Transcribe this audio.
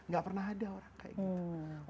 gak pernah ada orang kayak gitu